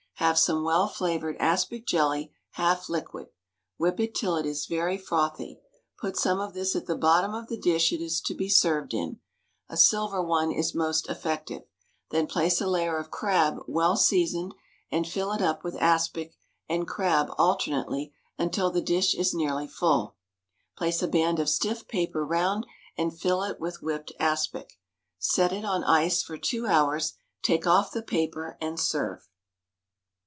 Have some well flavored aspic jelly, half liquid; whip it till it is very frothy; put some of this at the bottom of the dish it is to be served in a silver one is most effective; then place a layer of crab well seasoned, and fill it up with aspic and crab alternately until the dish is nearly full; place a band of stiff paper round, and fill in with whipped aspic; set it on ice for two hours; take off the paper, and serve.